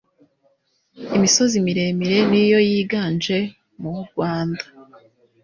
imisozi miremire niyo yiganje mu u Rwanda